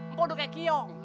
mpok tuh kayak kiong